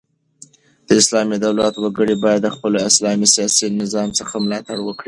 د اسلامي دولت وګړي بايد د خپل اسلامي سیاسي نظام څخه ملاتړ وکړي.